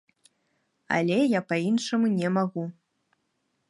Але я па-іншаму не магу.